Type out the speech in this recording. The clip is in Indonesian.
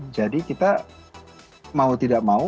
jadi kita mau tidak mau